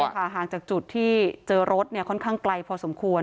ใช่ค่ะห่างจากจุดที่เจอรถเนี่ยค่อนข้างไกลพอสมควร